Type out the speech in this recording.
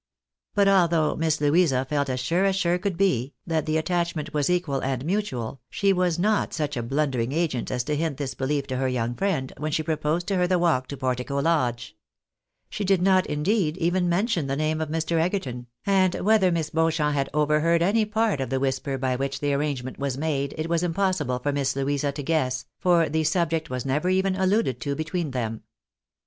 But although Miss Louisa felt as sure as sure could be, that the attachment was equal and mutual, she was not such a blundering agent as to hint this beHef to her young friend, when she proposed to her the walk to Portico Lodge ; she did not, indeed, even mention the name of Mr. Egerton ; and whether Miss Beauchamp had overheard any part of the whisper by which the arrangement was made, it was impossible for Miss Louisa to guess, for the subject was never even alluded to between them.